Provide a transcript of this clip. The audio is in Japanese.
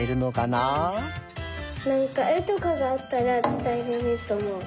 なんかえとかがあったらつたえられるとおもう。